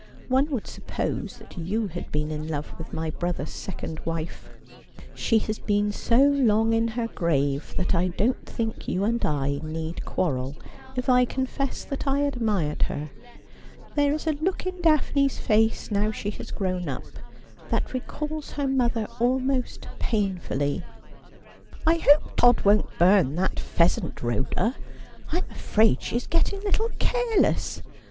' One would suppose that you had been in love with my brother's second wife.' ' She has been so long in her grave that I don't think you and I need quarrel if I confess that I admired her. There is a look in Daphne's face now she has grown up that recalls her mother almost painfully. I hope Todd won't burn that phea sant, Rhoda. I'm afraid she is getting a little careless.